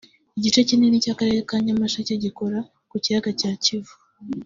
Igice kinini cy’Akarere ka Nyamasheke gikora ku kiyaga cya Kivu